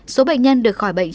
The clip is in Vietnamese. số bệnh nhân được khỏi bệnh